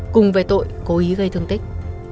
cùng về tội cố ý gây thương tích